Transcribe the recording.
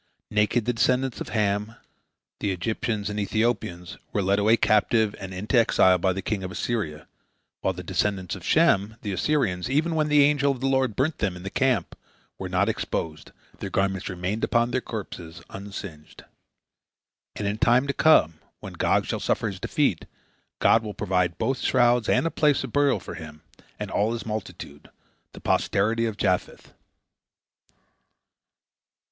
Naked the descendants of Ham, the Egyptians and Ethiopians, were led away captive and into exile by the king of Assyria, while the descendants of Shem, the Assyrians, even when the angel of the Lord burnt them in the camp, were not exposed, their garments remained upon their corpses unsinged. And in time to come, when Gog shall suffer his defeat, God will provide both shrouds and a place of burial for him and all his multitude, the posterity of Japheth.